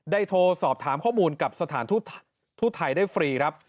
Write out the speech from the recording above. โทรสอบถามข้อมูลกับสถานทูตไทยได้ฟรีครับ